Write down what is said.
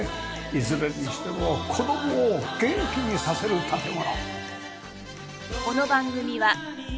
いずれにしても子供を元気にさせる建物。